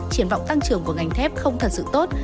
triển vọng tăng trưởng của ngành thép không thật sự tốt